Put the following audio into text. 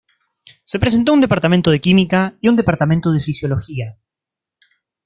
Se presentó un departamento de química y un departamento de fisiología.